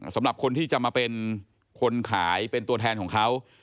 สำหรับคนที่จะมาเป็นคนขายเป็นตัวแทนของเขา